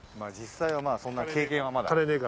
あ実際はまあそんな経験はまだ。